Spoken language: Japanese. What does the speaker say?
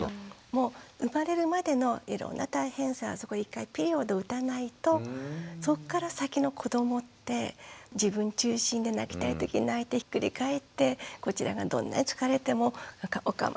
もう生まれるまでのいろんな大変さそこ一回ピリオドを打たないとそこから先の子どもって自分中心で泣きたいとき泣いてひっくり返ってこちらがどんなに疲れてもお構いなく散らかす。